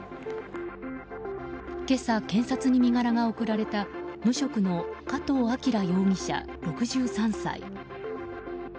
今朝、検察に身柄が送られた無職の加藤晃容疑者、６３歳。